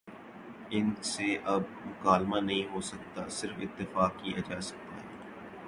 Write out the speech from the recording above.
ان سے اب مکالمہ نہیں ہو سکتا صرف اتفاق کیا جا سکتا ہے۔